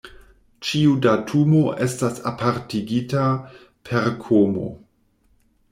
Ĉiu datumo estas apartigita per komo.